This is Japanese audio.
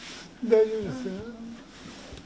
大丈夫ですよ。